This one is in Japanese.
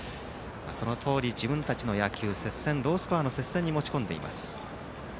そのとおり、自分たちの野球ロースコアの接戦に持ち込んでいます。